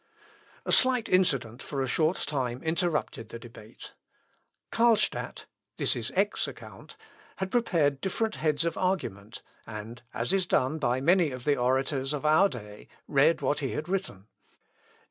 A slight incident for a short time interrupted the debate. Carlstadt (this is Eck's account) had prepared different heads of argument; and, as is done by many of the orators of our day, read what he had written.